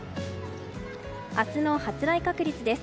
明日の発雷確率です。